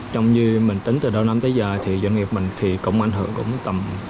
trong như mình tính từ đầu năm tới giờ thì doanh nghiệp mình cũng ảnh hưởng tầm